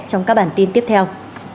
trong các bản tin tiếp theo